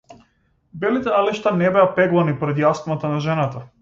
Белите алишта не беа пеглани поради астмата на жената.